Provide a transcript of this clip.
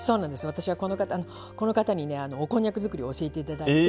私はこの方にねおこんにゃく作りを教えていただいて。